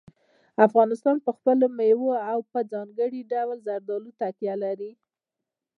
افغانستان په خپلو مېوو او په ځانګړي ډول زردالو تکیه لري.